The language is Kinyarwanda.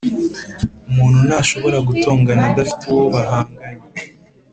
umuntu ntashobora gutongana adafite uwo bahanganye